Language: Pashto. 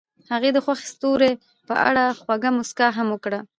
هغې د خوښ ستوري په اړه خوږه موسکا هم وکړه.